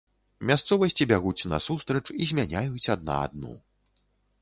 Мясцовасці бягуць насустрач і змяняюць адна адну.